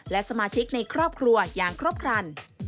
และสมาชิกในครอบครัวอย่างครบครัน